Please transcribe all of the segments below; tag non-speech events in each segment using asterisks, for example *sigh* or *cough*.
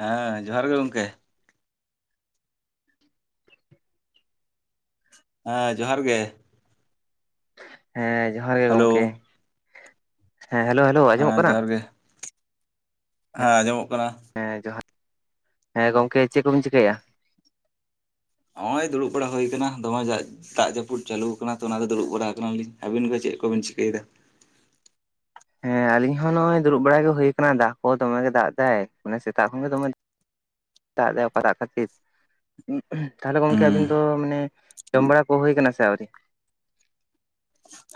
ᱦᱮᱸ ᱡᱚᱦᱟᱨ ᱜᱮ ᱜᱚᱝᱠᱮ ᱦᱮᱸ ᱡᱚᱦᱟᱨ ᱜᱮ ᱦᱮᱸ ᱡᱚᱦᱟᱨ ᱜᱮ ᱦᱮᱞᱳ ᱜᱚᱝᱠᱮ᱾ ᱦᱮᱸ ᱦᱮᱞᱳ-ᱦᱮᱞᱳᱣ ᱟᱸᱡᱚᱢᱚᱜ ᱠᱟᱱᱟ? ᱟ ᱟᱡᱚᱢᱚᱜ ᱠᱟᱱᱟ᱾ ᱮᱸ ᱡᱚᱦᱟ, ᱦᱮᱸ ᱜᱚᱝᱠᱮ ᱪᱮᱜ ᱠᱚᱵᱤᱱ ᱪᱤᱠᱟᱭ ᱮᱼᱟ? ᱚᱸᱭ ᱫᱩᱲᱩᱵ ᱵᱟᱲᱟ ᱦᱩᱭ ᱠᱟᱱᱟ ᱫᱚᱢᱮ ᱡᱟᱜ ᱫᱟᱜ ᱡᱟᱹᱯᱩᱫ ᱪᱟᱹᱞᱩᱣ ᱠᱟᱱᱟ ᱛᱚ ᱚᱱᱟᱫᱚ ᱫᱩᱲᱩᱵ ᱵᱟᱲᱟ ᱟᱠᱟᱱᱟ ᱞᱤᱧ, ᱟᱹᱵᱤᱱ ᱜᱮ ᱪᱮᱜ ᱠᱚᱵᱮᱱ ᱪᱤᱠᱟᱹᱭ ᱫᱟ? ᱦᱮᱸ ᱟᱞᱤᱧ ᱦᱚᱸ ᱱᱚᱜᱼᱚᱭ ᱫᱩᱨᱩᱵ ᱵᱟᱲᱟ ᱜᱮ ᱦᱩᱭ ᱠᱟᱱᱟ ᱫᱟᱜ ᱠᱚ ᱫᱚᱢᱮ ᱜᱮ ᱫᱟᱜ ᱫᱟᱭ, ᱢᱟᱱᱮ ᱥᱮᱛᱟᱜ ᱠᱷᱚᱱ ᱜᱮ ᱫᱚᱢᱮ ᱫᱟᱜ ᱫᱟᱭ ᱚᱠᱟ ᱴᱟᱜ ᱠᱷᱟᱹᱛᱤᱨ᱾ ᱛᱟᱦᱚᱞᱮ ᱜᱚᱝᱠᱮ ᱦᱩᱸ ᱟᱵᱤᱱ ᱫᱚ ᱢᱟᱱᱮ ᱡᱚᱢ ᱵᱟᱲᱟ ᱠᱚ ᱦᱩᱭ ᱠᱟᱱᱟ ᱥᱮ ᱟᱹᱣᱨᱤ?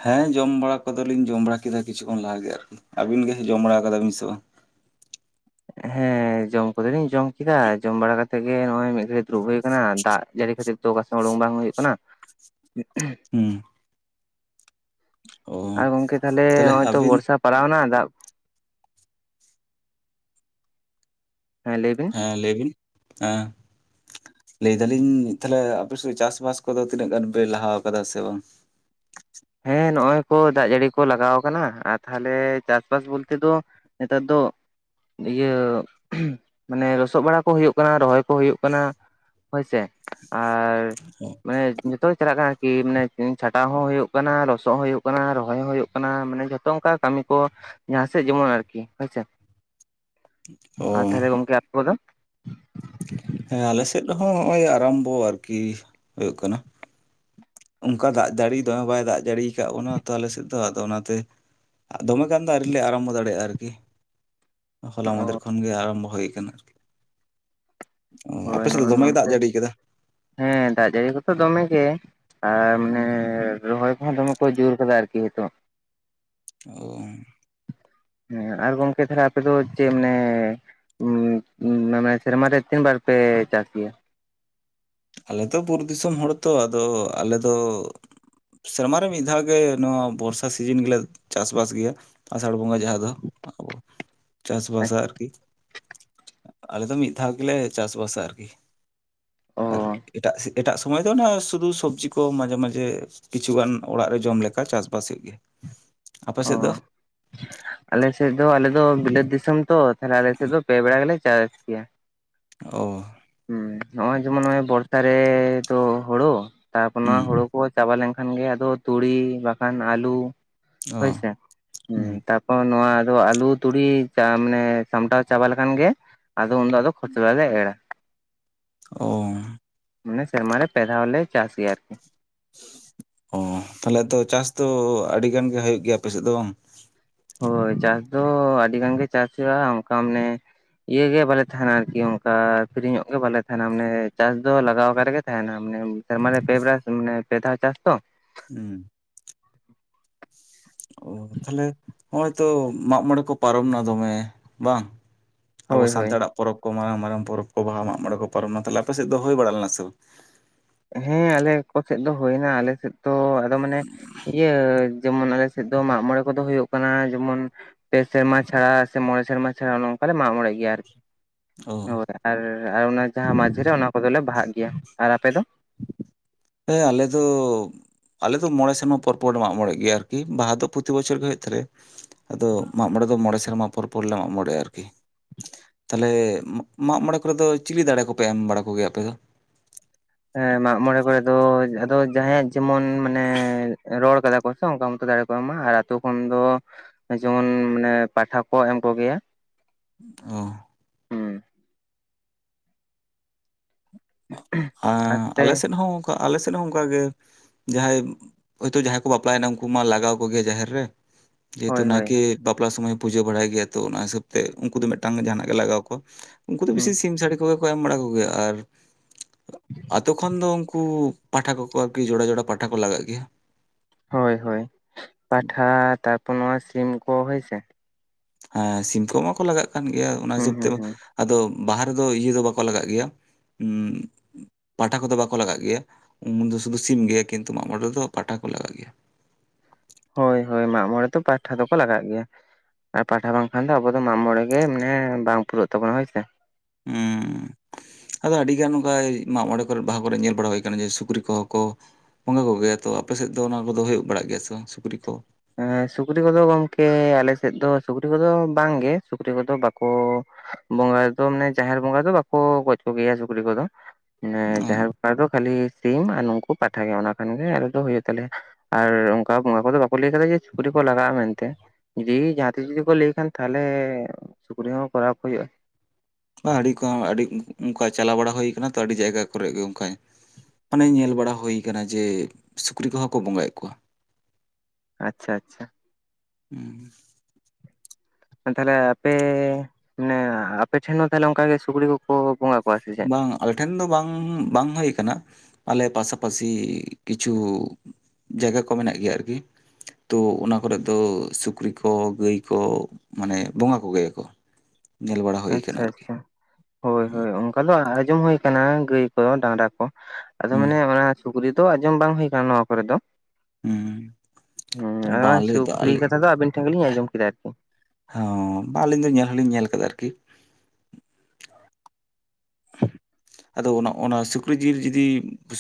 ᱦᱮᱸ ᱡᱚᱢ ᱵᱟᱲᱟ ᱠᱚᱫᱚᱞᱤᱧ ᱡᱚᱢ ᱵᱟᱲᱟ ᱠᱮᱫᱟ ᱠᱤᱪᱷᱩ ᱠᱷᱚᱱ ᱞᱟᱦᱟ ᱜᱮ ᱟᱨᱠᱤ, ᱟᱹᱵᱤᱱ ᱜᱮ ᱡᱚᱢ ᱵᱟᱲᱟᱣ ᱠᱟᱫᱟ ᱵᱤᱱ ᱥᱮ ᱵᱟᱝ? ᱦᱮᱸ᱾ ᱮᱸ ᱡᱚᱢ ᱠᱚᱫᱚᱞᱤᱧ ᱡᱚᱢ ᱠᱮᱫᱟ, ᱡᱚᱢ ᱵᱟᱲᱟ ᱠᱟᱛᱮ ᱜᱮ ᱱᱚᱜᱼᱚᱭ ᱢᱤᱜ ᱜᱷᱟᱹᱲᱤ ᱫᱩᱲᱩᱵ ᱦᱩᱭ ᱠᱟᱱᱟ, ᱫᱟᱜ ᱡᱟᱹᱲᱤ ᱠᱷᱟᱹᱛᱤᱨ ᱛᱚ ᱚᱠᱟᱥᱮ ᱩᱰᱩᱝ ᱵᱟᱝ ᱦᱩᱭᱩᱜ ᱠᱟᱱᱟ᱾ ᱩᱸ᱾ ᱟ ᱜᱚᱝᱠᱮ ᱛᱟᱦᱚᱞᱮ ᱚᱸᱼᱚᱭ ᱛᱚ ᱵᱚᱨᱥᱟ ᱯᱟᱲᱟᱣ ᱱᱟ ᱫᱟᱜ ᱦᱮᱸ ᱞᱟᱹᱭ ᱵᱤᱱ ᱦᱮᱸ ᱞᱟᱹᱭ ᱵᱤᱱ, ᱮᱸ᱾ ᱞᱟᱹᱭ ᱫᱟᱞᱤᱧ ᱛᱟᱦᱞᱮ ᱟᱯᱮ ᱥᱮ ᱪᱟᱥᱼᱵᱟᱥ ᱠᱚᱫᱚ ᱛᱤᱱᱟᱹᱜ ᱜᱟᱱ ᱯᱮ ᱞᱟᱦᱟᱣ ᱠᱟᱫᱟ ᱥᱮ ᱵᱟᱝ? ᱦᱮᱸ ᱱᱚᱼᱚᱭ ᱠᱚ ᱫᱟᱜ ᱡᱟᱹᱲᱤ ᱠᱚ ᱞᱟᱜᱟᱣ ᱠᱟᱱᱟ ᱟ ᱛᱟᱦᱚᱞᱮ ᱪᱟᱥᱼᱵᱟᱥ ᱵᱚᱞᱛᱮ ᱫᱚ ᱱᱮᱛᱟᱨ ᱫᱚ ᱤᱭᱟᱹ ᱢᱟᱱᱮ ᱞᱚᱥᱚᱜ ᱵᱟᱲᱟ ᱠᱚ ᱦᱩᱭᱩᱜ ᱠᱟᱱᱟ, ᱨᱚᱦᱚᱭ ᱠᱚ ᱦᱩᱭᱩᱜ ᱠᱟᱱᱟ᱾ ᱦᱳᱭ ᱥᱮ, ᱟᱨ ᱢᱟᱱᱮ ᱡᱚᱛᱚ ᱜᱮ ᱪᱟᱞᱟᱜ ᱠᱟᱱᱟ ᱠᱤ ᱢᱟᱱᱮ ᱩᱸ ᱪᱷᱟᱴᱟᱣ ᱦᱚᱸ ᱦᱩᱭᱩᱜ ᱠᱟᱱᱟ ᱞᱚᱥᱚᱜ ᱦᱚᱭᱩᱜ ᱠᱟᱱᱟ ᱨᱚᱦᱚᱭ ᱦᱚᱸ ᱦᱚᱭᱳᱜ ᱠᱟᱱᱟ ᱢᱟᱱᱮ ᱡᱷᱚᱛᱚ ᱚᱝᱠᱟ ᱠᱟᱹᱢᱤ ᱠᱚ᱾ ᱡᱟᱦᱟᱸ ᱥᱮᱜ ᱡᱮᱢᱚᱱ ᱟᱨᱠᱤ, ᱦᱳᱭ ᱥᱮ᱾ ᱚ ᱟᱨ ᱛᱟᱦᱞᱮ ᱜᱚᱝᱠᱮ ᱟᱯ ᱠᱚᱫᱚ? ᱦᱮᱸ ᱟᱞᱮ ᱥᱮᱡ ᱨᱮᱦᱚᱸ ᱦᱚᱼᱚᱭ ᱟᱨᱟᱢᱵᱚ ᱟᱨᱠᱤ ᱦᱳᱭᱳᱜ ᱠᱟᱱᱟ᱾ ᱚᱱᱠᱟ ᱫᱟᱜ ᱡᱟᱹᱲᱤ ᱫᱚᱢᱮ ᱵᱟᱭ ᱫᱟᱜ ᱡᱟᱹᱲᱤᱭ ᱠᱟᱜ ᱵᱚᱱᱟ ᱛᱚ ᱟᱞᱮ ᱥᱮᱡ ᱫᱚ ᱟᱫᱚ ᱚᱱᱟ ᱛᱮ ᱟᱜ ᱫᱚᱢᱮ ᱜᱟᱱ ᱫᱚ ᱟᱹᱣᱨᱤ ᱞᱮ ᱟᱨᱚᱢᱵᱚ ᱫᱟᱲᱮᱭᱟᱜᱼᱟ ᱟᱨᱠᱤ᱾ ᱦᱚᱞᱟ ᱢᱟᱸᱫᱮᱨ ᱚ ᱠᱷᱚᱱ ᱜᱮ ᱟᱨᱚᱢᱵᱚ ᱦᱳᱭ ᱠᱟᱱᱟ᱾ ᱚ ᱟᱯᱮ ᱦᱳᱭ ᱥᱮᱡ ᱫᱚ ᱫᱚᱢᱮᱭ ᱫᱟᱜ ᱱᱚᱛᱮ ᱡᱟᱹᱲᱤᱭ ᱠᱟᱫᱟ᱾ ᱦᱮᱸ ᱫᱟᱜ ᱡᱟᱹᱲᱤ ᱠᱚᱛᱚ ᱫᱚᱢᱮ ᱜᱮ, ᱟᱨ ᱢᱟᱱᱮ ᱦᱩᱸ, ᱨᱚᱦᱚᱭ ᱠᱚᱦᱚᱸ ᱫᱚᱢᱮ᱾ ᱠᱚ ᱡᱳᱨ ᱠᱟᱫᱟ ᱟᱨᱠᱤ ᱦᱤᱛᱚᱜ᱾ ᱳ᱾ ᱦᱮᱸ ᱟᱨ ᱜᱚᱢᱠᱮ ᱛᱟᱦᱚᱞᱮ ᱟᱯᱮ ᱫᱚ ᱪᱮᱜ ᱢᱟᱱᱮ ᱩᱸ ᱩᱸ ᱢᱟᱱᱮ ᱥᱮᱨᱢᱟ ᱨᱮ ᱛᱤᱱ ᱵᱟᱨ ᱯᱮ ᱪᱟᱥ ᱜᱮᱭᱟ? ᱟᱞᱮ ᱛᱚ ᱵᱩᱨᱩ ᱫᱤᱥᱚᱢ ᱦᱚᱲ ᱛᱚ ᱟᱫᱚ ᱟᱞᱮ ᱫᱚ ᱥᱮᱨᱢᱟ ᱨᱮ ᱢᱤᱜ ᱫᱷᱟᱣ ᱜᱮ ᱱᱚᱣᱟ ᱵᱚᱨᱥᱟ ᱥᱤᱡᱤᱱ ᱜᱮᱞᱮ ᱪᱟᱥᱼᱵᱟᱥ ᱜᱮᱭᱟ᱾ ᱟᱥᱟᱲ ᱵᱚᱸᱜᱟ ᱡᱟᱦᱟᱸ ᱫᱚ, ᱟᱵᱚ ᱪᱟᱥᱵᱟᱥᱟ ᱟᱨᱠᱤ᱾ ᱟᱞᱮ ᱫᱚ ᱢᱤᱜ ᱫᱷᱟᱣ ᱜᱮᱞᱮ ᱪᱟᱥᱵᱟᱥᱟ ᱟᱨᱠᱤ᱾ ᱚ ᱟᱨ ᱮᱴᱟᱜ ᱥᱤ ᱮᱴᱟᱜ ᱥᱚᱢᱚᱭ ᱫᱚ ᱚᱱᱟ ᱥᱩᱫᱷᱩ ᱥᱚᱵᱽᱡᱤ ᱠᱚ ᱢᱟᱡᱷᱮ ᱢᱟᱡᱷᱮ ᱠᱤᱪᱷᱩᱜᱟᱱ ᱚᱲᱟᱜ ᱨᱮ ᱡᱚᱢ ᱞᱮᱠᱟ ᱪᱟᱥᱵᱟᱥᱮᱜ ᱜᱮ᱾ ᱟᱯᱮ ᱥᱮᱡ ᱫᱚ? ᱟᱞᱮ ᱥᱮᱡ ᱫᱚ ᱟᱞᱮ ᱫᱚ ᱵᱤᱞᱟᱹᱛ ᱫᱤᱥᱚᱢ ᱛᱚ, ᱛᱟᱦᱞᱮ ᱟᱞᱮ ᱥᱮ ᱫᱚ ᱯᱮ ᱵᱮᱲᱟ ᱜᱮᱞᱮ ᱪᱟᱥ ᱜᱮᱭᱟ᱾ ᱚ᱾ ᱩᱸ ᱱᱚᱼᱚᱭ ᱡᱮᱢᱚᱱ ᱱᱚᱼᱚᱭ ᱵᱚᱨᱥᱟ ᱨᱮ ᱫᱚ ᱦᱳᱲᱳ ᱛᱟᱯᱚᱨ ᱱᱚᱣᱟ ᱦᱳᱲᱳ ᱦᱩᱸ ᱠᱚ ᱪᱟᱵᱟ ᱞᱮᱱᱠᱷᱟᱱ ᱜᱮ ᱟᱫᱚ ᱛᱩᱲᱤ ᱵᱟᱠᱷᱟᱱ ᱟᱹᱞᱩ ᱚ ᱦᱳᱭ ᱥᱮ, ᱩᱸ ᱦᱩᱸ ᱛᱟ ᱯᱚ ᱱᱚᱣᱟ ᱫᱚ ᱟᱞᱩ, ᱛᱩᱲᱤ ᱪᱟ-ᱢᱟᱱᱮ ᱥᱟᱢᱴᱟᱣ ᱪᱟᱵᱟ ᱞᱮᱠᱷᱟᱱ ᱜᱮ ᱟᱫᱚ ᱩᱱ ᱫᱚ ᱟᱫᱚ ᱠᱷᱚᱪᱞᱟ ᱞᱮ ᱮᱲᱟ᱾ ᱚ ᱢᱟᱱᱮ ᱥᱮᱨᱢᱟᱨ ᱨᱮ ᱯᱮ ᱫᱷᱟᱣᱞᱮ ᱪᱟᱥ ᱜᱮᱭᱟ ᱟᱨᱠᱤ᱾ ᱚ ᱛᱟᱦᱞᱮ ᱛᱚ ᱪᱟᱥ ᱫᱚ ᱟᱹᱰᱤ ᱜᱟᱱ ᱜᱮ ᱦᱩᱭᱩᱜ ᱜᱮᱭᱟ ᱟᱯᱮ ᱥᱮᱫ ᱫᱚ᱾ ᱦᱳᱭ ᱪᱟᱥ ᱫᱚ ᱟᱹᱰᱤ ᱜᱟᱱ ᱜᱮ ᱪᱟᱥ ᱦᱩᱭᱩᱜᱼᱟ ᱚᱱᱠᱟ ᱢᱟᱱᱮ᱾ ᱤᱭᱟᱹ ᱜᱮ ᱵᱟᱞᱮ ᱛᱟᱦᱮᱱᱟ ᱟᱨᱠᱤ ᱚᱱᱠᱟ, ᱯᱤᱨᱤᱧᱚᱜ ᱜᱮ ᱵᱟᱞᱮ ᱛᱟᱦᱮᱱᱟ ᱢᱟᱱᱮ ᱪᱟᱥ ᱫᱚ ᱞᱟᱜᱟᱣᱠᱟ ᱨᱮᱜᱮ ᱛᱟᱦᱮᱱᱟ ᱢᱟᱱᱮ᱾ ᱥᱮᱨᱢᱟ ᱨᱮ ᱯᱮ ᱵᱨᱟᱥ ᱢᱟᱱᱮ ᱯᱮ ᱫᱷᱟᱣ ᱪᱟᱥ ᱛᱚ᱾ ᱦᱩᱸ ᱚ ᱛᱟᱦᱞᱮ ᱦᱚᱼᱚᱭ ᱛᱚ ᱢᱟᱜ ᱢᱚᱬᱮ ᱠᱚ ᱯᱟᱨᱚᱢ ᱮᱱᱟ ᱫᱚᱢᱮ ᱵᱟᱝ᱾ ᱟᱵᱚ ᱦᱳᱭ ᱦᱳᱭ ᱥᱟᱱᱛᱟᱲᱟᱜ ᱯᱚᱨᱚᱵᱽ ᱠᱚ ᱢᱟᱨᱟᱝ ᱢᱟᱨᱟᱝ ᱯᱚᱨᱚᱵᱽ ᱠᱚ ᱵᱟᱦᱟ ᱢᱟᱜ ᱢᱚᱬᱮ ᱠᱚ ᱯᱟᱨᱚᱢᱱᱟ ᱛᱟᱦᱞᱮ ᱟᱯᱮ ᱥᱮᱫ ᱫᱚ ᱦᱩᱭ ᱵᱟᱲᱟ ᱞᱮᱱᱟ ᱥᱮ ᱵᱟᱝ᱾ ᱦᱮᱸ ᱟᱞᱮ ᱠᱚ ᱥᱮᱫ ᱫᱚ ᱦᱩᱭᱱᱟ ᱟᱞᱮᱥᱮᱫ ᱛᱚ ᱟᱫᱚ ᱢᱟᱱᱮ ᱤᱭᱟᱹ ᱡᱮᱢᱚᱱ ᱟᱞᱮᱫ᱾ ᱥᱮᱫ ᱫᱚ ᱢᱟᱜ ᱢᱚᱬᱮ ᱠᱚᱫᱚ ᱦᱩᱭᱩᱜ ᱠᱟᱱᱟ ᱡᱮᱢᱚᱱ᱾ ᱯᱮ ᱥᱮᱨᱢᱟ ᱪᱷᱟᱲᱟ ᱥᱮ ᱢᱚᱬᱮ ᱥᱮᱨᱢᱟ ᱪᱷᱟᱲᱟ ᱱᱚᱝᱠᱟ ᱞᱮ ᱢᱟᱜ ᱢᱚᱲᱮᱜ ᱜᱮᱭᱟ ᱟᱨᱠᱤ᱾ ᱚ ᱦᱳᱭ ᱟᱨ ᱚᱱᱟ ᱡᱟᱦᱟᱸ ᱢᱟᱡᱷᱮ ᱨᱮ ᱚᱱᱟ ᱠᱚᱫᱚᱞᱮ ᱵᱟᱦᱟᱜ ᱜᱮᱭᱟ ᱟᱨ ᱟᱯᱮ ᱫᱚ᱾ ᱦᱮᱸ ᱟᱞᱮ ᱫᱚ᱾ ᱟᱞᱮᱚ ᱢᱚᱬᱮ ᱥᱮᱱᱢᱟ ᱯᱚᱨ ᱯᱚᱨ ᱞᱮ ᱢᱟᱜ ᱢᱚᱬᱮᱜ ᱜᱮᱭᱟ ᱟᱨᱠᱤ ᱵᱟᱦᱟ ᱫᱚ ᱯᱚᱛᱤ ᱵᱚᱪᱷᱚᱨ ᱜᱮ ᱦᱩᱭᱩᱜ ᱛᱟᱞᱮᱭᱟ᱾ ᱟᱫᱚ ᱢᱟᱜ ᱢᱚᱬᱮ ᱫᱚ ᱢᱚᱬᱮ ᱥᱮᱨᱢᱟ ᱯᱚᱨ ᱯᱚᱨ ᱞᱮ ᱢᱟᱜ ᱢᱚᱬᱮᱜᱼᱟ ᱟᱨᱠᱤ᱾ ᱛᱟᱞᱦᱮ ᱢᱟᱜ ᱢᱚᱬᱮ ᱠᱚᱨᱮ ᱫᱚ ᱪᱤᱞᱤ ᱫᱟᱲᱮ ᱠᱚᱯᱮ ᱮᱢ ᱵᱟᱲᱟ ᱠᱚᱜᱮᱭᱟ ᱟᱯᱮ ᱫᱚ᱾ ᱮ ᱢᱟᱜᱢᱚᱲᱮ ᱠᱚᱨᱮ ᱫᱚ ᱡᱟᱦᱟᱸ ᱡᱟᱦᱟᱸᱭᱟᱜ ᱡᱮᱢᱚᱱ ᱢᱟᱱᱮ ᱨᱚᱲ ᱠᱟᱫᱟ ᱠᱚ᱾ ᱚᱱᱠᱟ ᱢᱚᱛᱚ ᱫᱟᱲᱮ ᱠᱚ ᱮᱢᱟ ᱟᱨ ᱟᱛᱩ ᱠᱷᱚᱱ ᱫᱚ ᱡᱮᱢᱚᱱ ᱢᱟᱱᱮ ᱯᱟᱴᱷᱟ ᱠᱚ ᱮᱢ ᱠᱚᱜᱮᱭᱟ᱾ ᱚ ᱦᱩᱸ ᱟᱸ ᱟᱯᱮ ᱟᱞᱮ ᱥᱮᱫ ᱦᱚᱸ ᱚᱱᱠᱟ ᱟᱞᱮ ᱥᱮᱫ ᱦᱚᱸ ᱚᱱᱠᱟᱜᱮ᱾ ᱡᱟᱦᱟᱸᱭ ᱦᱚᱭᱛᱳ ᱡᱟᱦᱟᱸᱭ ᱠᱚ ᱵᱟᱯᱞᱟᱭᱱᱟ ᱩᱱᱠᱩ ᱢᱟ ᱞᱟᱜᱟᱣ ᱠᱚᱜᱮ ᱡᱟᱦᱮᱨ ᱨᱮ᱾ ᱡᱮ ᱦᱮᱛᱩ ᱦᱳᱭ ᱦᱳᱭ ᱱᱟᱭᱠᱮ ᱵᱟᱯᱞᱟ ᱥᱚᱢᱚᱭ᱾ ᱯᱩᱡᱟᱹ ᱵᱟᱲᱟᱭ ᱜᱮᱭᱟ ᱛᱚ ᱚᱱᱟ ᱦᱤᱥᱟᱹ ᱛᱮ ᱩᱱᱠᱩ ᱫᱚ ᱢᱤᱫᱴᱟᱝ ᱡᱟᱦᱟᱱᱟᱜ ᱜᱮ ᱞᱟᱜᱟᱣ ᱠᱚᱣᱟ ᱩᱱᱠᱩ ᱫᱚ ᱦᱩᱸ ᱵᱤᱥᱤ ᱥᱤᱢ ᱥᱟᱹᱲᱤ᱾ ᱠᱚᱜᱮ ᱠᱚ ᱮᱢ ᱵᱟᱲᱟ ᱟᱨ᱾ ᱟᱛᱩ ᱠᱷᱚᱱ ᱫᱚ ᱩᱱᱠᱩ ᱯᱟᱴᱟ ᱠᱚᱠᱚ ᱟᱨᱠᱤ ᱡᱚᱲᱟ ᱡᱚᱲᱟ ᱯᱤᱴᱟ ᱠᱚ ᱞᱟᱜᱟᱜ ᱜᱮᱭᱟ᱾ ᱦᱳᱭ ᱦᱳᱭ ᱯᱟᱴᱷᱟ ᱛᱟᱨᱯᱚᱨ ᱱᱚᱣᱟ ᱥᱤᱢ ᱠᱚ ᱦᱳᱭ ᱥᱮ᱾ ᱦᱮᱸ ᱥᱤᱢ ᱠᱚ ᱢᱟ ᱠᱚ ᱞᱟᱜᱟᱜ ᱠᱟᱱ ᱜᱮᱭᱟ ᱚᱱᱟ ᱦᱩᱸ ᱦᱤᱥᱟᱹᱵ ᱦᱩᱸ ᱛᱮᱢᱟ᱾ ᱦᱩᱸ ᱟᱫᱚ ᱵᱟᱦᱟ ᱨᱮᱫᱚ ᱤᱭᱟᱹ ᱫᱚ ᱵᱟᱠᱚ ᱞᱟᱜᱟᱜ ᱜᱮᱭᱟ ᱩᱸ᱾ ᱯᱟᱴᱟ ᱠᱚᱫᱚ ᱵᱟᱠᱚ ᱞᱟᱜᱟᱜ ᱜᱮᱭᱟ ᱩᱱ ᱫᱚ ᱥᱩᱫᱷᱩ ᱥᱤᱢ ᱜᱮ ᱠᱤᱱᱛᱩ ᱢᱟᱜ ᱢᱚᱬᱮ ᱨᱮᱫᱚ ᱯᱟᱴᱟ ᱠᱚ ᱞᱟᱜᱟᱜ ᱜᱮᱭᱟ᱾ ᱦᱳᱭ ᱦᱳᱭ ᱢᱟᱜ ᱢᱚᱬᱮ ᱫᱚ ᱯᱟᱦᱴᱟ ᱫᱚᱠᱚ ᱞᱟᱜᱟᱜ ᱜᱮᱭᱟ᱾ ᱟᱨ ᱯᱟᱴᱷᱟ ᱵᱟᱝᱠᱷᱟᱱ ᱫᱚ ᱟᱵᱚ ᱫᱚ ᱢᱟᱜᱢᱚᱬᱮ ᱜᱮ ᱢᱟᱱᱮ ᱵᱟᱝ ᱯᱩᱨᱟᱹᱜ ᱛᱟᱵᱚᱱᱟ ᱦᱳᱭ ᱥᱮ᱾ ᱩᱸ ᱟᱫᱚ ᱟᱹᱰᱤᱜᱟᱱ ᱚᱱᱠᱟᱭ ᱢᱟᱜ ᱢᱚᱬᱮ ᱠᱚᱨᱮ ᱵᱟᱦᱟ ᱠᱚᱨᱮ ᱧᱮᱞ ᱵᱟᱲᱟ ᱦᱩᱭ ᱠᱟᱱᱟ ᱡᱮ ᱥᱩᱠᱨᱤ ᱠᱚᱦᱚᱸ ᱠᱚ᱾ ᱵᱚᱸᱜᱟ ᱠᱚᱜᱮᱭᱟ ᱛᱚ ᱟᱯᱮ ᱥᱮᱫ ᱫᱚ ᱚᱱᱟ ᱠᱚᱫᱚ ᱦᱩᱭᱩᱜ ᱵᱟᱲᱟᱜ ᱜᱮᱭᱟ ᱥᱮ ᱥᱩᱠᱨᱤ ᱠᱚ᱾ ᱮᱸ ᱥᱩᱠᱨᱤ ᱠᱚᱫᱚ ᱜᱚᱝᱠᱮ ᱟᱞᱮ ᱥᱮᱫ ᱫᱚ ᱥᱩᱠᱨᱤ ᱠᱚᱫᱚ ᱵᱟᱝᱜᱮ ᱥᱩᱠᱨᱤ ᱠᱚᱫᱚ ᱵᱟᱠᱚ᱾ ᱵᱚᱸᱜᱟ ᱨᱮᱫᱚ ᱢᱟᱱᱮ ᱡᱟᱦᱮᱨ ᱵᱚᱸᱜᱟ ᱫᱚ ᱵᱟᱠᱚ ᱜᱚᱡ ᱠᱚᱜᱮᱭᱟ ᱥᱩᱠᱨᱤ ᱠᱚᱫᱚ ᱢᱟᱱᱮ ᱚ ᱡᱟᱦᱮᱨ᱾ ᱚᱠᱟ ᱠᱷᱟᱹᱞᱤ ᱥᱤᱢ ᱱᱩᱠᱩ ᱯᱟᱴᱷᱟ ᱜᱮ ᱚᱱᱟ ᱠᱷᱟᱱ ᱜᱮ ᱟᱞᱮ ᱫᱚ ᱦᱩᱭᱩᱜ ᱛᱟᱞᱮᱭᱟ ᱟᱨ ᱚᱱᱠᱟ ᱵᱚᱸᱜᱟ ᱠᱚᱫᱚ ᱵᱟᱠ᱾ ᱵᱟᱠᱚ ᱞᱟᱹᱭ ᱠᱟᱫᱟ ᱡᱮ ᱥᱩᱠᱨᱤ ᱠᱚ ᱞᱟᱜᱟᱜᱼᱟ ᱢᱮᱱᱛᱮ᱾ ᱡᱩᱫᱤ ᱡᱟᱦᱟᱸ ᱛᱤᱥ ᱡᱩᱫᱤ ᱠᱚ ᱞᱟᱹᱭ ᱠᱷᱟᱱ ᱛᱟᱦᱚᱞᱮ ᱥᱩᱠᱨᱤ ᱦᱚᱸ ᱠᱚᱨᱟᱣ ᱠᱚ ᱦᱩᱭᱩᱜᱼᱟ᱾ ᱚᱱᱠᱚ ᱟᱹᱰᱤ ᱠᱚᱢ ᱟᱹᱰᱤ ᱚᱱᱠᱟ ᱪᱟᱞᱟᱣ ᱵᱟᱲᱟ ᱦᱩᱭ ᱠᱟᱱᱟ ᱛᱚ ᱟᱹᱰᱤ ᱡᱟᱭᱜᱟ ᱠᱚᱨᱮ ᱜᱮ ᱚᱱᱠᱟᱭ᱾ ᱢᱟᱱᱮ ᱧᱮᱞ ᱵᱟᱲᱟ ᱦᱩᱭ ᱟᱠᱟᱱᱟ ᱡᱮ ᱥᱩᱠᱨᱤ ᱠᱚᱦᱚᱸ ᱠᱚ ᱵᱚᱸᱜᱟᱭᱮᱫ ᱠᱚᱣᱟ᱾ ᱟᱪᱪᱷᱟ ᱟᱪᱪᱷᱟ ᱩᱸ ᱮ ᱛᱟᱦᱚᱞᱮ ᱟᱯᱮ ᱢᱟᱱᱮ ᱟᱯᱮᱴᱷᱮᱱ ᱦᱚᱸ ᱛᱟᱞᱦᱮ ᱚᱱᱠᱟ ᱜᱮ ᱥᱩᱠᱨᱤ ᱠᱚᱠᱚ ᱵᱚᱸᱜᱟ ᱠᱚᱣᱟ ᱥᱮ ᱪᱮᱫ? ᱵᱟᱝ ᱟᱞᱮ ᱴᱷᱮᱱ ᱫᱚ ᱵᱟᱝ ᱵᱟᱝ ᱦᱩᱭ ᱟᱠᱟᱱᱟ, ᱟᱞᱮ ᱯᱟᱥᱟᱯᱟᱥᱤ ᱠᱤᱪᱷᱩ ᱡᱟᱭᱜᱟ ᱠᱚ ᱢᱮᱱᱟᱜ ᱜᱮᱭᱟ ᱟᱨᱠᱤ᱾ ᱛᱚ ᱚᱱᱟ ᱠᱚᱨᱮᱜ ᱫᱚ ᱥᱩᱠᱨᱤ ᱠᱚ ᱜᱟᱹᱭ ᱠᱚ ᱢᱟᱱᱮ ᱵᱚᱸᱜᱟ ᱠᱚ ᱜᱮᱭᱟᱠᱚ᱾ ᱟᱪᱪᱷᱟ ᱟᱪᱪᱷᱟ ᱦᱳᱭ ᱦᱳᱭ ᱚᱝ ᱡᱟᱫᱚ ᱟᱸᱡᱚᱢ ᱦᱩᱭ ᱠᱟᱱᱟ ᱜᱟᱹᱭ ᱠᱚ ᱰᱟᱝᱨᱟ ᱠᱚ, ᱟᱫᱚ ᱦᱩᱸ ᱢᱟᱱᱮ ᱚᱱᱟ ᱥᱩᱠᱨᱤ ᱫᱚ ᱟᱸᱡᱚᱢ ᱵᱟᱝ ᱦᱩᱭ ᱠᱟᱱᱟ ᱱᱚᱣᱟ ᱠᱚᱨᱮ ᱫᱚ᱾ ᱦᱩᱸ ᱟᱫᱚ ᱵᱟᱝ ᱱᱚᱜ-ᱚᱭ ᱟᱞᱮ ᱫᱚ ᱥᱩᱠᱨᱤ ᱟᱞᱮ ᱠᱟᱛᱷᱟ ᱫᱚ ᱟᱹᱵᱤᱱ ᱴᱷᱮᱱ ᱜᱮᱞᱤᱧ ᱟᱸᱡᱚᱢ ᱠᱮᱫᱟ ᱟᱨᱠᱤ᱾ ᱦᱚᱸ ᱵᱟ ᱟᱹᱞᱤᱧ ᱫᱚ ᱧᱮᱞ ᱦᱚᱸᱞᱤᱧ ᱧᱮᱞ ᱠᱟᱫᱟ ᱟᱨᱠᱤ᱾ *inaudible* ᱟᱫᱚ ᱚᱱᱟ ᱚᱱᱟ ᱥᱩᱠᱨᱤ ᱡᱤᱞ ᱡᱩᱫᱤ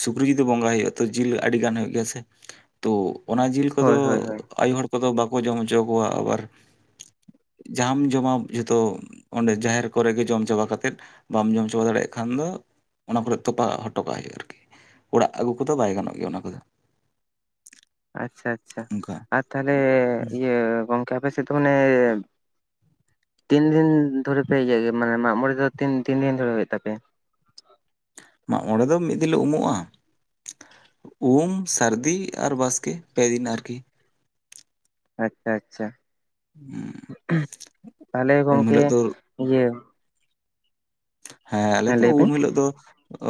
ᱥᱩᱠᱨᱤ ᱡᱩᱫᱤ ᱵᱚᱸᱜᱟᱭ ᱦᱩᱭᱩᱜ-ᱟ ᱛᱚ ᱡᱤᱞ ᱟᱹᱰᱤᱜᱟᱱ ᱦᱩᱭᱩᱜ ᱜᱮᱭᱟ ᱥᱮ᱾ ᱛᱚ ᱚᱱᱟ ᱡᱤᱞ ᱠᱚᱫᱚ ᱦᱳᱭ ᱦᱳᱭ ᱦᱳᱭ ᱟᱭᱳ ᱦᱚᱲ ᱠᱚᱫᱚ ᱵᱟᱠᱚ ᱡᱚᱢ ᱦᱚᱪᱚ ᱟᱠᱚᱣᱟ ᱟᱵᱟᱨ, ᱡᱟᱦᱟᱸᱢ ᱡᱚᱢᱟ ᱡᱷᱚᱛᱚ ᱚᱸᱰᱮ ᱡᱟᱦᱮᱨ ᱠᱚᱨᱮ ᱜᱮ ᱡᱚᱢ ᱪᱟᱵᱟ ᱠᱟᱛᱮᱫ ᱵᱟᱢ ᱡᱚᱢ ᱪᱟᱵᱟ ᱫᱟᱲᱮᱭᱟᱜ ᱠᱷᱟᱱ ᱫᱚ ᱚᱱᱟ ᱠᱚᱨᱮᱜ ᱛᱚᱯᱟ ᱦᱚᱴᱚ ᱠᱟᱜ ᱦᱩᱭᱩᱜ-ᱟ ᱟᱨᱠᱤ᱾ ᱚᱲᱟᱜ ᱟᱹᱜᱩ ᱠᱚᱫᱚ ᱵᱟᱭ ᱜᱟᱱᱚᱜ ᱜᱮᱭᱟ ᱚᱱᱟ ᱠᱚᱫᱚ᱾ ᱟᱪᱪᱷᱟ ᱟᱪᱪᱷᱟ, ᱚᱱᱠᱟ ᱟᱨ ᱛᱟᱦᱚᱞᱮ ᱦᱩᱸ ᱤᱭᱟᱹ ᱜᱚᱝᱠᱮ ᱟᱯᱮ ᱥᱮᱫ ᱫᱚ ᱢᱟᱱᱮ ᱛᱤᱱ ᱫᱤᱱ ᱫᱷᱚᱨᱮ ᱯᱮ ᱤᱭᱟᱹᱜ ᱜᱮᱭᱟ, ᱢᱟᱱᱮ ᱢᱟᱜ ᱢᱚᱬᱮ ᱫᱚ ᱛᱤᱱ ᱛᱤᱱ ᱫᱤᱱ ᱫᱷᱚᱨᱮ ᱦᱩᱭᱩᱜ ᱛᱟᱯᱮᱭᱟ? ᱢᱟᱜ ᱢᱚᱬᱮ ᱫᱚ ᱢᱤᱫ ᱫᱤᱱ ᱞᱮ ᱩᱢᱩᱜ-ᱟ᱾ ᱩᱢ, ᱥᱟᱨᱫᱤ, ᱟᱨ ᱵᱟᱥᱠᱮ ᱯᱮ ᱫᱤᱱ ᱟᱨᱠᱤ᱾ ᱟᱪᱪᱷᱟ ᱟᱪᱪᱷᱟ, ᱛᱟᱦᱚᱞᱮ ᱦᱩᱸ ᱩᱢ ᱜᱚᱝᱠᱮ ᱦᱤᱞᱳᱜ ᱫᱚ ᱤᱭᱟᱹ ᱦᱮᱸ ᱟᱞᱮ ᱫᱚ ᱞᱟᱹᱭ ᱵᱤᱱ ᱩᱢ ᱦᱤᱞᱚᱜ ᱫᱚ,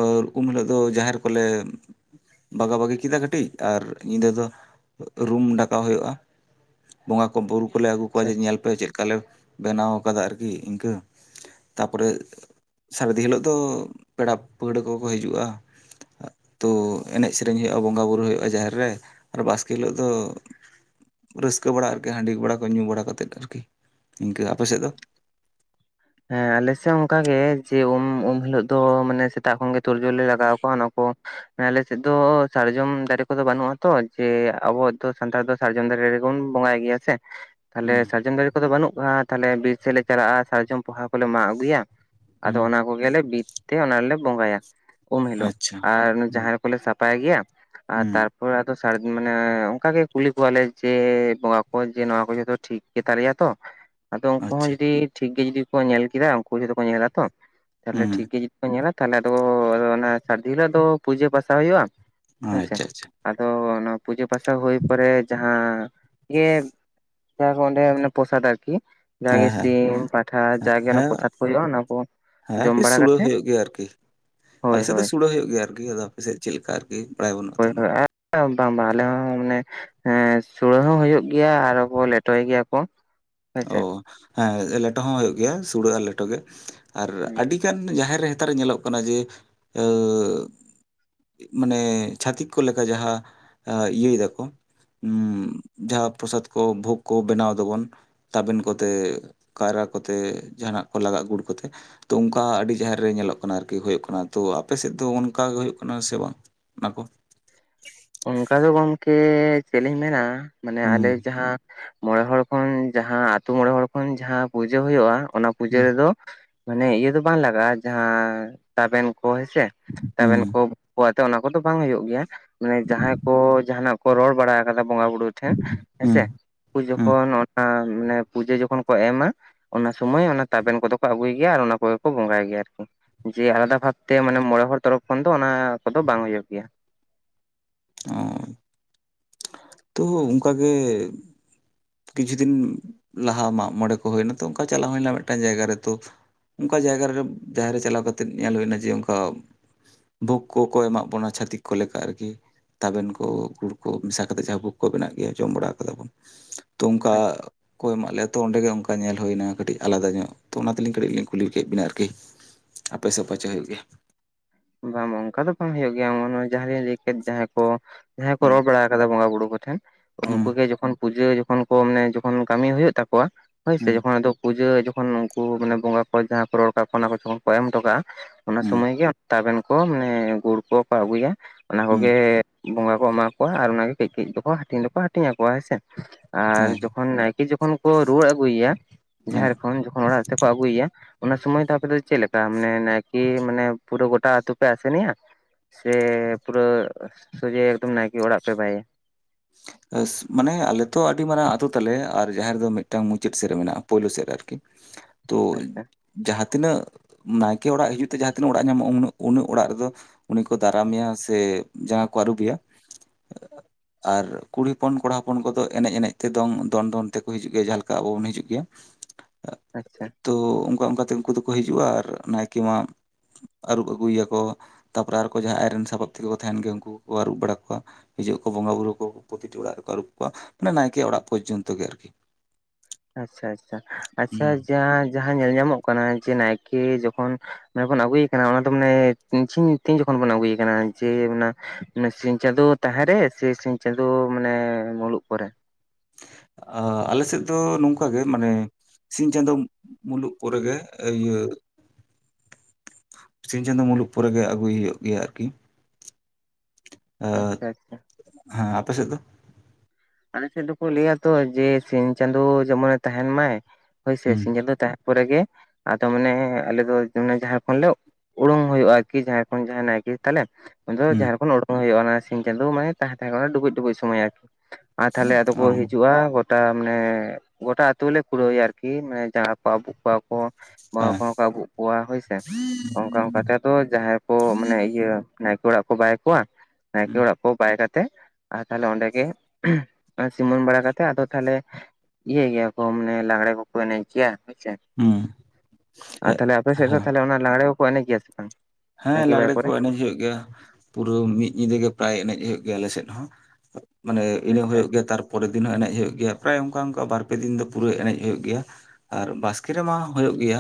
ᱮᱸ ᱩᱢ ᱦᱤᱞᱚᱜ ᱫᱚ ᱡᱟᱦᱮᱨ ᱠᱚᱞᱮ ᱵᱟᱜᱟ ᱵᱟᱜᱤ ᱠᱮᱫᱟ ᱠᱟᱹᱴᱤᱡ ᱟᱨ ᱧᱤᱫᱟᱹ ᱫᱚ ᱨᱩᱢ ᱰᱟᱠᱟᱣ ᱦᱩᱭᱩᱜ-ᱟ᱾ ᱵᱚᱸᱜᱟ ᱠᱚ ᱵᱩᱨᱩ ᱠᱚᱞᱮ ᱟᱹᱜᱩ ᱠᱚᱣᱟ ᱟᱪᱪᱷᱟ ᱡᱮ ᱟᱪᱪᱷᱟ ᱧᱮᱞ ᱯᱮ ᱪᱮᱫ ᱞᱮᱠᱟ ᱞᱮ ᱵᱮᱱᱟᱣ ᱠᱟᱫᱟ ᱟᱨᱠᱤ ᱤᱱᱠᱟᱹ, ᱛᱟᱨᱯᱚᱨᱮ ᱥᱟᱹᱨᱤᱫᱤ ᱦᱤᱞᱳᱜ ᱫᱚ ᱯᱮᱲᱟ ᱯᱟᱹᱦᱲᱟᱹ ᱠᱚ ᱠᱚ ᱦᱤᱡᱩᱜ-ᱟ, ᱛᱚ ᱮᱱᱮᱡ ᱥᱮᱨᱮᱧ ᱦᱩᱭᱩᱜ-ᱟ ᱵᱚᱸᱜᱟ ᱵᱩᱨᱩ ᱦᱩᱭᱩᱜ-ᱟ ᱡᱟᱦᱮᱨ ᱨᱮ ᱟᱨ ᱵᱟᱥᱠᱮ ᱦᱤᱞᱚᱜ ᱫᱚ ᱨᱟᱹᱥᱠᱟᱹ ᱵᱟᱲᱟ ᱟᱨᱠᱤ ᱦᱟᱺᱰᱤ ᱵᱟᱲᱟ ᱠᱚ ᱧᱩ ᱵᱟᱲᱟ ᱠᱟᱛᱮᱫ ᱟᱨᱠᱤ ᱤᱱᱠᱟᱹ, ᱟᱯᱮ ᱥᱮᱫ ᱫᱚ? ᱦᱮᱸ ᱟᱞᱮ ᱥᱮᱫ ᱦᱚᱸ ᱚᱱᱠᱟ ᱜᱮ ᱡᱮ ᱩᱢ ᱩᱢ ᱦᱤᱞᱚᱜ ᱫᱚ ᱢᱟᱱᱮ ᱥᱮᱛᱟᱜ ᱠᱷᱚᱱ ᱜᱮ ᱛᱳᱲᱡᱳᱲ ᱞᱮ ᱞᱟᱜᱟᱣ ᱠᱚᱣᱟ ᱚᱱᱟ ᱠᱚ ᱟᱞᱮ ᱥᱮᱫ ᱫᱚ ᱥᱟᱨᱡᱚᱢ ᱫᱟᱨᱮ ᱠᱚᱫᱚ ᱵᱟᱹᱱᱩᱜ-ᱟ ᱛᱚ ᱡᱮ ᱟᱵᱚ ᱫᱚ ᱥᱟᱱᱛᱟᱲ ᱫᱚ ᱥᱟᱨᱡᱚᱢ ᱫᱟᱨᱮ ᱨᱮᱵᱚᱱ ᱵᱚᱸᱜᱟᱭ ᱜᱮᱭᱟ ᱥᱮ᱾ ᱛᱟᱦᱞᱮ ᱦᱩᱸ ᱥᱟᱨᱡᱚᱢ ᱫᱟᱨᱮ ᱠᱚᱫᱚ ᱵᱟᱹᱱᱩᱜ-ᱟ ᱛᱟᱦᱚᱞᱮ ᱵᱤᱨ ᱥᱮᱫ ᱞᱮ ᱪᱟᱞᱟᱜ-ᱟ ᱥᱟᱨᱡᱚᱢ ᱯᱚᱦᱟ ᱠᱚᱞᱮ ᱢᱟᱜ ᱟᱹᱜᱩᱭᱟ ᱟᱫᱚ ᱦᱩᱸ ᱚᱱᱟ ᱠᱚᱜᱮ ᱞᱮ ᱵᱤᱫ ᱛᱮ ᱚᱱᱟ ᱨᱮᱞᱮ ᱵᱚᱸᱜᱟᱭᱟ ᱩᱢ ᱦᱤᱞᱚᱜ ᱟᱪᱪᱷᱟ ᱟᱨ ᱚᱱᱟ ᱦᱩᱸ ᱡᱟᱦᱟᱸ ᱠᱚᱞᱮ ᱥᱟᱯᱟᱭ ᱜᱮᱭᱟ ᱟᱨ ᱦᱩᱸ ᱛᱨ ᱯᱚᱨᱮ ᱟᱫᱚ ᱥᱟᱨᱫ ᱢᱟᱱᱮ ᱚᱱᱠᱟ ᱜᱮ ᱠᱩᱞᱤ ᱠᱚᱣᱟᱞᱮ ᱡᱮ ᱵᱚᱸᱜᱟ ᱠᱚ ᱡᱮ ᱱᱚᱣᱟ ᱠᱚ ᱡᱚᱛᱚ ᱴᱷᱤᱠ ᱜᱮᱛᱟᱞᱮᱭᱟ ᱛᱚ, *inaudible* ᱟᱫᱚ ᱩᱱᱠᱩ ᱦᱚᱸ ᱟᱪᱪᱷᱟ ᱡᱩᱫᱤ ᱴᱷᱤᱠ ᱜᱮ ᱡᱩᱫᱤ ᱠᱚ ᱧᱮᱞ ᱠᱮᱫᱟ ᱩᱱᱠᱩ ᱡᱷᱚᱛᱚ ᱠᱚ ᱧᱮᱞᱟ ᱛᱚ, ᱛᱟᱦᱞᱮ ᱴᱷᱤᱠ ᱦᱩᱸ ᱜᱮ ᱠᱚ ᱧᱮᱞᱟ ᱛᱟᱦᱚᱞᱮ ᱟᱫᱚ ᱚᱱᱟ ᱥᱟᱹᱨᱫᱤ ᱦᱤᱞᱚᱜ ᱫᱚ ᱯᱩᱡᱟᱹ ᱯᱟᱥᱟ ᱦᱩᱭᱩᱜ-ᱟ, ᱦᱮᱸᱥᱮ, ᱟᱪᱪᱷᱟ ᱟᱪᱪᱷᱟ ᱟᱫᱚ ᱚᱱᱟ ᱯᱩᱡᱟᱹ ᱯᱟᱥᱟ ᱦᱩᱭ ᱯᱚᱨᱮ ᱡᱟᱦᱼᱼ ᱦᱟᱸ ᱜᱮ ᱡᱟᱦᱟᱸ ᱠᱚ ᱚᱸᱵᱮ ᱢᱟᱱᱮ ᱯᱨᱚᱥᱟᱫ ᱟᱨᱠᱤ, ᱡᱟ ᱜᱮ ᱦᱮᱸ ᱦᱮᱸ ᱥᱤᱢ, ᱯᱟ ᱦᱮᱸ, ᱦᱮᱸ ᱡᱚᱢ ᱟᱨᱠᱤ ᱵᱟᱲᱟ ᱥᱩᱲᱟᱹ ᱠᱟᱛᱮ ᱦᱩᱭᱩᱜ ᱜᱮᱭᱟ ᱟᱨᱠᱤ, ᱦᱳᱭ ᱟᱞᱮ ᱥᱮᱫ ᱫᱚ ᱦᱳᱭ ᱥᱩᱲ ᱲᱟᱹ ᱦᱩᱭᱩᱜ ᱜᱮᱭᱟ ᱟᱨᱠᱤ ᱟᱫᱚ ᱟᱯᱮ ᱥᱮᱫ ᱪᱮᱫ ᱞᱮᱠᱟ ᱟᱨᱠᱤ᱾ ᱵᱟᱲᱟᱭ ᱵᱟᱹᱱᱩᱜ ᱟᱛᱚ ᱦᱳᱭ ᱩᱱᱟᱹᱜ ᱦᱳᱭ ᱟᱨ ᱵᱟᱝ ᱵᱟᱝ ᱟᱞᱮ ᱦᱚᱸ ᱢᱟᱱᱮ, ᱦᱮᱸ ᱥᱩᱲᱟᱹ ᱦᱚᱸ ᱦᱩᱭᱩᱜ ᱜᱮᱭᱟ ᱟᱨ ᱠᱚ ᱞᱮᱴᱚᱭ ᱜᱮᱭᱟ ᱠᱚ᱾ ᱦᱮᱸᱥᱮ ᱚ ᱦᱮ ᱞᱮᱴᱚ ᱦᱚᱸ ᱦᱳᱭᱳᱜ ᱜᱮᱭᱟ ᱥᱩᱲᱟᱹ ᱟᱨ ᱞᱮᱴᱚ ᱜᱮ᱾ ᱟᱨ ᱟᱹᱰᱤᱜᱟᱱ ᱡᱟᱦᱮᱨ ᱨᱮ ᱦᱮᱛᱟᱨ ᱧᱮᱞᱚᱜ ᱠᱟᱱᱟ ᱡᱮ, ᱢᱟᱱᱮ ᱪᱷᱟᱛᱤᱠ ᱠᱚ ᱞᱮᱠᱟ ᱡᱟᱦᱟᱸ ᱟ ᱤᱭᱟᱹᱭ ᱫᱟᱠᱚ᱾ ᱦᱩᱸᱜ ᱡᱟᱦᱟᱸ ᱯᱨᱚᱥᱟᱫᱽ ᱠᱚ ᱵᱷᱚᱜᱽ ᱠᱚ ᱵᱮᱱᱟᱣ ᱫᱟᱵᱚᱱ᱾ ᱛᱟᱵᱮᱱ ᱠᱚᱛᱮ ᱠᱟᱭᱨᱟ ᱠᱚᱛᱮ ᱡᱟᱦᱟᱱᱟᱜ ᱠᱚ ᱞᱟᱜᱟᱜ ᱜᱩᱲ ᱠᱚᱛᱮ᱾ ᱛᱩ ᱚᱝᱱᱠᱟ ᱟᱹᱰᱤ ᱡᱟᱦᱮᱨ ᱨᱮ ᱧᱮᱞᱚᱜ ᱠᱟᱱᱟ ᱟᱨᱠᱤ ᱦᱳᱭᱳᱜ ᱠᱟᱱᱟ ᱛᱳ ᱟᱯᱮ ᱥᱮᱫ ᱫᱚ ᱚᱱᱠᱟ ᱜᱮ ᱦᱳᱭᱳᱜ ᱠᱟᱱᱟ ᱥᱮ ᱵᱟᱝ? ᱚᱱᱟᱠᱚ, ᱚᱱᱠᱟ ᱫᱚ ᱜᱚᱢᱠᱮ ᱪᱮᱜ ᱞᱤᱧ ᱢᱮᱱᱟ ᱢᱟᱱᱮ ᱦᱩᱸ ᱟᱞᱮ ᱡᱟᱦᱟᱸ, ᱢᱚᱬᱮ ᱦᱚᱲ ᱠᱷᱚᱱ ᱡᱟᱦᱟᱸ ᱟᱹᱛᱩ ᱢᱚᱬᱮ ᱦᱚᱲ ᱠᱷᱚᱱ ᱡᱟᱦᱟᱸ ᱯᱩᱡᱟᱹ ᱦᱳᱭᱳᱜ-ᱟ ᱚᱱᱟ ᱯᱩᱡᱟᱹ ᱦᱩᱸ ᱨᱮᱫᱚ, ᱢᱟᱱᱮ ᱤᱭᱟᱹ ᱫᱚ ᱵᱟᱝ ᱞᱟᱜᱟᱜ-ᱟ ᱡᱟᱦᱟᱸ ᱛᱟᱵᱮᱱ ᱠᱚ ᱦᱮᱸᱥᱮ ᱛᱟᱵᱮᱱ ᱦᱩᱸ ᱠᱚ, ᱠᱚ ᱟᱛᱮ ᱚᱱᱟ ᱠᱚᱫᱚ ᱵᱟᱝ ᱦᱳᱭᱳᱜ ᱜᱮᱭᱟ ᱢᱟᱱᱮ ᱡᱟᱦᱟᱸᱭ ᱠᱚ ᱡᱟᱦᱟᱱᱟᱜ ᱠᱚ ᱨᱚᱲ ᱵᱟᱲᱟ ᱠᱟᱫᱟ ᱵᱚᱸᱜᱟ ᱵᱩᱲᱩ ᱴᱷᱮᱝ ᱦᱩᱸ ᱦᱮᱸᱥᱮ ᱩᱱᱠᱩ ᱦᱩᱸ ᱡᱚᱠᱷᱚᱱ ᱚᱱᱟ ᱢᱟᱱᱮ ᱯᱩᱡᱟᱹ ᱡᱚᱠᱷᱚᱱ ᱠᱚ ᱮᱢᱟ, ᱚᱱᱟ ᱥᱩᱢᱚᱭ ᱚᱱᱟ ᱛᱟᱵᱮᱱ ᱠᱚᱫᱚ ᱠᱚ ᱟᱹᱜᱩᱭ ᱜᱮᱭᱟ ᱟᱨ ᱚᱱᱟ ᱠᱚᱜᱮ ᱠᱚ ᱵᱚᱸᱜᱟᱭ ᱜᱮᱭᱟ ᱟᱨᱠᱤ᱾ ᱡᱮ ᱟᱞᱟᱫᱟ ᱵᱷᱟᱵᱽ ᱛᱮ ᱢᱟᱱᱮ ᱢᱚᱬᱮ ᱦᱚᱲ ᱛᱚᱨᱚᱯ ᱠᱷᱚᱱ ᱫᱚ ᱚᱱᱟ ᱠᱚᱫᱚ ᱵᱟᱝ ᱦᱩᱭᱩᱜ ᱜᱮᱭᱟ᱾ *unintelligible* ᱛᱳ ᱚᱝᱠᱟᱜᱮ, ᱠᱤᱪᱷᱩ ᱫᱤᱱ ᱞᱟᱦᱟ ᱢᱟᱜ ᱢᱚᱬᱮ ᱠᱚ ᱦᱩᱭᱱᱟ ᱛᱚ ᱚᱱᱠᱟ ᱪᱟᱞᱟᱣ ᱦᱩᱭᱞᱮᱱᱟ ᱢᱮᱫᱴᱟᱱ ᱡᱟᱭᱜᱟ ᱨᱮ ᱛᱳ, ᱚᱱᱠᱟ ᱡᱟᱭᱜᱟᱨᱮᱵ ᱡᱟᱦᱮ ᱨᱮ ᱪᱟᱞᱟᱣ ᱠᱟᱛᱮᱜ ᱧᱮᱞ ᱦᱩᱭ ᱱᱟ ᱡᱮ ᱚᱱᱠᱟ᱾ ᱵᱷᱳᱜᱽ ᱠᱚᱠᱚ ᱮᱢᱟᱜ ᱵᱚᱱᱟ ᱪᱷᱟᱹᱛᱤᱠ ᱠᱚ ᱞᱮᱠᱟ ᱟᱨᱠᱤ ᱛᱟᱵᱮᱱ ᱠᱚ ᱜᱩᱲ ᱠᱚ ᱢᱮᱥᱟ ᱠᱟᱛᱮᱫ ᱡᱟᱦᱟ ᱵᱷᱩᱠ ᱠᱚ ᱵᱮᱱᱟᱣ ᱮᱜ-ᱜᱮᱭᱟ ᱡᱚᱢ ᱵᱟᱲᱟ ᱠᱟᱫᱟ ᱵᱚᱱ ᱛᱚ ᱚᱱᱠᱟ᱾ ᱠᱚ ᱮᱢᱟᱜ ᱞᱮᱭᱟ ᱛᱚ ᱚᱸᱰᱮ ᱜᱮ ᱚᱱᱠᱟ ᱧᱮᱞ ᱦᱩᱭᱱᱟ ᱠᱟᱹᱴᱤᱡ ᱟᱞᱟᱫᱟ ᱧᱚᱜ ᱛᱚ ᱚᱱᱟ ᱛᱮᱞᱤᱧ ᱠᱟᱹᱴᱤᱡ ᱞᱤᱧ ᱠᱩᱞᱤ ᱠᱮᱫ ᱵᱤᱱᱟ ᱟᱨᱠᱤ᱾ ᱟᱯᱮ ᱥᱮ ᱯᱟᱪᱮ ᱦᱳᱭᱳᱜ ᱜᱮᱭᱟ? ᱵᱟᱝ ᱵᱟᱝ ᱚᱱᱠᱟ ᱫᱚ ᱵᱟᱝ ᱦᱳᱭᱳᱜ ᱜᱮᱭᱟ *unintelligible* ᱡᱟᱦᱟᱸ ᱞᱟᱹᱭ ᱠᱮᱫ ᱡᱟᱦᱟᱸᱭ ᱠᱚ, ᱡᱟᱦᱟᱸᱭ ᱠᱚ ᱦᱩᱸ ᱨᱚᱲ ᱵᱟᱲᱟ ᱠᱟᱫᱟ ᱵᱚᱸᱜᱟ ᱵᱩᱲᱩ ᱠᱚᱴᱷᱮᱱ ᱦᱩᱸ ᱩᱱᱠᱩ ᱜᱮ ᱡᱚᱠᱷᱚᱱ, ᱯᱩᱡᱟᱹ ᱡᱚᱠᱷᱚᱱ ᱠᱚ ᱢᱟᱱᱮ ᱡᱚᱠᱷᱚᱱ ᱠᱟᱹᱢᱤ ᱦᱳᱭᱳᱜ ᱛᱟᱠᱚᱣᱟ ᱦᱳᱭᱥᱮ ᱦᱩᱸ ᱡᱚᱠᱷᱚᱱ ᱟᱫᱚ ᱯᱩᱡᱟᱹ ᱡᱚᱠᱷᱚᱱ ᱩᱱᱠᱩ ᱢᱟᱱᱮ ᱵᱚᱸᱜᱟ ᱠᱚ ᱡᱟᱦᱟᱸ ᱠᱚ ᱨᱚᱲ ᱠᱟᱜ ᱠᱚᱣᱟ ᱚᱱᱟ ᱠᱚ ᱡᱚᱠᱷᱚᱱ ᱠᱚ ᱮᱢ ᱦᱚᱴᱚ ᱠᱟᱜᱼᱟ ᱚᱱᱟ ᱦᱩᱸ ᱥᱩᱢᱟᱹᱭ ᱜᱮ, ᱛᱟᱵᱮᱱ ᱠᱚ ᱢᱟᱱᱮ ᱜᱩᱲ ᱠᱚᱠᱚ ᱟᱹᱜᱩᱭᱟ ᱚᱱᱟ ᱦᱩᱸ ᱠᱚᱜᱮ, ᱵᱚᱸᱜᱟ ᱠᱚ ᱮᱢᱟ ᱠᱚᱣᱟ ᱟᱨ ᱚᱱᱟᱜᱮ ᱠᱟᱹᱭ ᱠᱟᱹᱭ ᱫᱚᱠᱚ ᱦᱟᱹᱢᱤᱧ ᱫᱚᱠᱚ ᱦᱟᱹᱴᱤᱧ ᱟᱠᱚᱣᱟ ᱦᱮᱸ ᱥᱮ᱾ ᱟᱨ ᱦᱮᱸ ᱡᱚᱠᱷᱚᱱ ᱱᱟᱭᱠᱮ ᱡᱚᱠᱷᱚᱱ ᱠᱚ ᱨᱩᱣᱟᱹᱲ ᱟᱹᱜᱩᱭᱮᱭᱟ ᱦᱮᱸ ᱡᱟᱦᱮᱨ ᱠᱷᱚᱱ ᱡᱚᱠᱷᱚᱱ ᱚᱲᱟᱜ ᱛᱮᱠᱚ ᱟᱹᱜᱩᱭᱮᱭᱟ, ᱚᱱᱟ ᱥᱩᱢᱚᱭ ᱫᱚ ᱟᱯᱮ ᱫᱚ ᱪᱮ ᱞᱮᱠᱟ ᱢᱟᱱᱮ ᱱᱟᱭᱠᱮ ᱢᱟᱱᱮ ᱯᱩᱨᱟᱹ ᱜᱚᱴᱟ ᱟᱛᱳ ᱯᱮ ᱟᱥᱮᱱᱮᱭᱟ? ᱥᱮ ᱯᱩᱨᱟᱹ ᱥᱚᱡᱷᱮ ᱮᱠᱫᱚᱢ ᱱᱟᱭᱠᱮ ᱚᱲᱟᱜ ᱯᱮ ᱵᱟᱭᱮᱭᱟ? ᱮᱥ ᱢᱟᱱᱮ ᱟᱞᱮ ᱛᱚ ᱟᱹᱰᱤ ᱢᱟᱨᱟᱝ ᱟᱛᱳ ᱛᱟᱞᱮ ᱟᱨ ᱡᱟᱷᱮᱨᱮ ᱫᱚ ᱢᱤᱫᱴᱟᱝ ᱢᱩᱪᱟᱹᱫ ᱥᱮᱫ ᱨᱮ ᱢᱮᱱᱟᱜᱼᱟ ᱯᱳᱭᱞᱳ ᱥᱮᱫ ᱨᱮ ᱟᱨᱠᱤ᱾ ᱛᱳ ᱟᱪᱪᱷᱟ ᱡᱟᱦᱟᱸᱛ ᱛᱤᱱᱟᱹᱜ ᱱᱟᱭᱠᱮ ᱚᱲᱟᱜ ᱦᱤᱡᱩᱜ ᱛᱮ ᱡᱟᱦᱟᱸ ᱛᱤᱱᱟᱹᱜ ᱚᱲᱟᱜ ᱧᱟᱢᱚᱜᱼᱟ ᱩᱱᱟᱹᱜ ᱩᱱᱟᱹᱜ ᱚᱲᱟᱜ ᱨᱮᱫᱚ, ᱩᱱᱤ ᱠᱚ ᱫᱟᱨᱟᱢᱮᱭᱟ ᱥᱮ ᱡᱟᱸᱜᱟ ᱠᱚ ᱟᱹᱨᱩᱵᱮᱭᱟ ᱟᱨ, ᱠᱩᱲᱤ ᱦᱚᱯᱚᱱ ᱠᱚᱲᱟ ᱦᱚᱯᱚᱱ ᱠᱚᱫᱚ ᱮᱱᱮᱡ ᱮᱱᱮᱡ ᱛᱮ ᱫᱚᱱᱝ ᱫᱚᱱ-ᱫᱚᱱ ᱛᱮᱠᱚ ᱦᱤᱡᱩᱜ ᱜᱮᱭᱟ ᱡᱟᱦᱟᱸ ᱞᱮᱠᱟ ᱟᱵᱚ ᱵᱚᱱ ᱦᱤᱡᱩᱜ ᱜᱮᱭᱟ᱾ ᱟᱪᱪᱷᱟ᱾ ᱛᱚ ᱚᱝᱠᱟ ᱚᱝᱠᱟᱛᱮ ᱩᱱᱠᱩ ᱫᱚᱠᱚ ᱦᱤᱡᱩᱜᱼᱟ ᱟᱨ ᱱᱟᱭᱠᱮ ᱢᱟ ᱟᱹᱨᱩᱵ ᱟᱹᱜᱩᱭᱮᱭᱟᱠᱚ᱾ ᱛᱟᱯᱚᱨᱮ ᱟᱨᱠᱚ ᱡᱟᱦᱟᱸ ᱟᱭᱨᱮᱱ ᱥᱟᱯᱟᱵ ᱛᱮᱠᱚᱠᱚ ᱛᱟᱦᱮᱱ ᱜᱮᱭᱟ ᱩᱱᱠᱩ ᱠᱚᱠᱚ ᱟᱹᱨᱩᱵ ᱵᱟᱲᱟ ᱠᱚᱣᱟ ᱦᱤᱡᱩᱜ ᱟᱠᱚ ᱵᱚᱸᱜᱟ ᱵᱩᱨᱩ ᱠᱚ᱾ ᱯᱨᱚᱛᱤᱴᱤ ᱚᱲᱟᱜ ᱨᱮᱠᱚ ᱟᱹᱨᱩᱵ ᱠᱚᱣᱟ ᱢᱟᱱᱮ ᱱᱟᱭᱠᱮᱭᱟ ᱚᱲᱟᱜ ᱯᱚᱨᱡᱚᱱᱛᱚ ᱜᱮ ᱟᱨᱠᱤ᱾ ᱟᱪᱪᱷᱟ ᱟᱪᱪᱷᱟ ᱟᱪᱪᱷᱟ ᱦᱩᱸ ᱡᱟᱦᱟᱸ ᱡᱟᱦᱟᱸ ᱧᱮᱞ ᱧᱟᱢᱚᱜ ᱠᱟᱱᱟ ᱡᱮ ᱱᱟᱭᱠᱮ ᱡᱚᱠᱷᱚᱱ, ᱢᱟᱱᱮ ᱵᱚᱱ ᱟᱹᱜᱩᱭᱮ ᱠᱟᱱᱟ ᱚᱱᱟ ᱫᱚ ᱢᱟᱱᱮ *unintelligible* ᱛᱤᱧ ᱡᱚᱠᱷᱚᱱ ᱵᱚᱱ ᱟᱹᱜᱩᱭᱮ ᱠᱟᱱᱟ ᱡᱮ ᱚᱱᱟ, *unintelligible* ᱥᱤᱧ ᱪᱟᱸᱫᱳ ᱛᱟᱦᱮᱸ ᱨᱮ ᱥᱮ ᱥᱤᱧ ᱪᱟᱸᱫᱳ ᱢᱟᱱᱮ ᱢᱩᱞᱩᱜ ᱯᱚᱨᱮ? ᱟ ᱟᱞᱮ ᱥᱮᱫ ᱫᱚ ᱱᱚᱝᱠᱟ ᱜᱮ ᱢᱟᱱᱮ, ᱥᱤᱧ ᱪᱟᱸᱫᱳᱢ ᱢᱩᱞᱩᱜ ᱯᱚᱨᱮᱜᱮ ᱮᱤᱭᱟᱹ, ᱥᱤᱧ ᱪᱟᱸᱫᱳ ᱢᱩᱞᱩᱜ ᱯᱚᱨᱮ ᱜᱮ ᱟᱹᱜᱩᱭᱮ ᱦᱩᱭᱩᱜ ᱜᱮᱭᱟ ᱟᱨᱠᱤ᱾ ᱟᱪᱪᱷᱟ ᱟᱪᱪᱷᱟ ᱟᱛ ᱦᱮᱸ ᱟᱯᱮ ᱥᱮᱫᱚ ᱫᱚ? ᱟᱞᱮᱥᱮᱫ ᱫᱚᱠᱚ ᱞᱟᱹᱭᱟ ᱛᱚ ᱡᱮ ᱥᱤᱧ ᱪᱟᱸᱫᱳ ᱡᱮᱢᱚᱱᱮ ᱛᱟᱦᱮᱱ ᱢᱟᱭ᱾ ᱦᱳᱭᱥᱮ ᱦᱩᱸ ᱥᱤᱧ ᱪᱟᱸᱫᱚᱳᱭ ᱛᱟᱦᱮᱱ ᱯᱚᱨᱮᱜᱮ ᱟᱫᱚ ᱢᱟᱱᱮ ᱟᱞᱮ ᱫᱚ ᱢᱟᱱᱮ ᱡᱟᱷᱟ ᱠᱷᱚᱱ ᱞᱮ ᱩᱬᱳᱝ ᱦᱩᱭᱩᱜᱼᱟ ᱟᱨᱠᱤ ᱡᱟᱦᱟᱸᱭ ᱠᱷᱚᱱ ᱡᱟᱦᱟᱭ ᱱᱟᱭᱠᱮ ᱛᱟᱞᱮ᱾ ᱩᱱᱫᱚ ᱦᱩᱸ ᱡᱟᱦᱮᱨ ᱠᱷᱚᱱᱚ ᱩᱰᱩᱠ ᱦᱩᱭᱩᱜᱼᱟ ᱚᱱᱟ ᱥᱤᱧ ᱪᱟᱸᱫᱳ ᱢᱟᱱᱮ ᱛᱟᱦᱮᱸ ᱛᱟᱦᱮᱸ ᱠᱷᱟᱱ ᱰᱩᱵᱩᱡ ᱰᱩᱵᱩᱡ ᱥᱚᱢᱚᱭ ᱟᱨᱠᱤ᱾ ᱟᱨ ᱛᱟᱦᱚᱞᱮ ᱟᱫᱚ ᱠᱚ ᱚ ᱦᱤᱡᱩᱜᱼᱟ ᱜᱚᱴ ᱴᱟ ᱢᱟᱱᱮ ᱜᱚᱴᱟ ᱟᱛᱩ ᱞᱮ ᱠᱩᱲᱟᱹᱣᱮᱭᱟ ᱟᱨᱠᱤ ᱢᱟᱱᱮ ᱡᱟᱸᱜᱟ ᱠᱚ ᱟᱵᱩᱜ ᱠᱚᱣᱟ ᱠᱚ᱾ ᱵᱚᱸᱜᱟ ᱦᱮᱸ ᱠᱚᱦᱚᱸ ᱠᱚ ᱟᱹᱜᱵᱩ ᱠᱚᱣᱟ ᱦᱳᱭᱥᱮ᱾ ᱚᱱᱠᱟ ᱚᱱᱠᱟᱛᱮ ᱟᱫᱚ ᱡᱟᱦᱟᱸᱭ ᱠᱚ ᱢᱟᱱᱮ ᱤᱭᱟᱹ ᱦᱩᱸ ᱱᱟᱭᱠᱮ ᱚᱲᱟᱜ ᱠᱚ ᱵᱟᱭ ᱠᱚᱣᱟ᱾ ᱱᱟᱭᱠᱮ ᱚᱲᱟᱜ ᱠᱚ ᱵᱟᱭ ᱠᱟᱛᱮᱮᱫ ᱟᱨ ᱛᱟᱦᱚᱞᱮ ᱚᱸᱰᱮ ᱜᱮ ᱟ ᱥᱤᱢᱟᱹᱱ ᱵᱟᱲᱟ ᱠᱟᱛᱮᱜ ᱟᱫᱚ ᱛᱟᱦᱞᱮ ᱤᱭᱟᱹᱭ ᱜᱮᱭᱟ ᱠᱚ ᱢᱟᱱᱮ ᱞᱟᱜᱽᱲᱮ ᱠᱚᱠᱚ ᱮᱱᱮᱡ ᱠᱮᱭᱟ ᱦᱩᱭᱥᱮ᱾ ᱦᱮᱸ ᱟᱨ ᱛᱟᱦᱞᱮ ᱟᱯᱮ ᱥᱮᱫ ᱫᱚ ᱛᱟᱦᱞᱮ ᱚᱱᱟ ᱞᱟᱜᱽᱲᱮ ᱠᱚᱠᱚ ᱮᱱᱮᱡ ᱜᱮᱭᱟ ᱥᱮ ᱵᱟᱝ? ᱦᱮᱸ ᱱᱟᱭᱠᱮ ᱵᱟᱭ ᱞᱟᱜᱽᱲᱮ ᱠᱚ ᱯᱚᱨᱮ ᱮᱱᱮᱡ ᱦᱩᱭᱩᱜ ᱜᱮᱭᱟ, ᱯᱩᱨᱟᱹ ᱢᱤᱫ ᱧᱤᱫᱟᱹ ᱜᱮ ᱯᱨᱟᱭ ᱮᱱᱮᱡ ᱦᱩᱭᱩᱜ ᱜᱮᱭᱟ ᱟᱞᱮ ᱥᱮᱫ ᱦᱚᱸ᱾ ᱢᱟᱱᱮ ᱤᱱᱟᱹ ᱟᱪᱪᱷᱟ ᱦᱩᱭᱩᱜ ᱟᱪᱪᱷᱟ ᱜᱮᱭᱟ ᱛᱟᱨᱯᱚᱨᱮᱨ ᱫᱤᱱ ᱦᱚᱸ ᱮᱱᱮᱡ ᱦᱩᱭᱩᱜ ᱜᱮᱭᱟ ᱯᱨᱟᱭ ᱚᱱᱠᱟ ᱚᱱᱠᱟ ᱵᱟᱨ ᱯᱮ ᱫᱤᱱ ᱫᱚ ᱯᱩᱨᱟᱹ ᱮᱱᱮᱡ ᱦᱩᱭᱩᱜ ᱜᱮᱭᱟ᱾ ᱟᱨ ᱵᱟᱥᱠᱮ ᱨᱮᱢᱟ ᱦᱳᱭᱳᱜ ᱜᱮᱭᱟ᱾